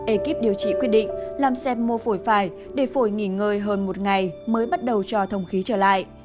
ekip điều trị quyết định làm xe mô phổi phải để phổi nghỉ ngơi hơn một ngày mới bắt đầu cho thông khí trở lại